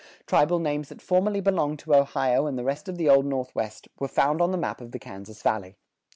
Tribal names that formerly belonged to Ohio and the rest of the Old Northwest were found on the map of the Kansas Valley.